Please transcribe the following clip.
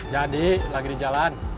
jadi lagi di jalan